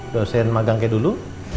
dosein magang kayak dulu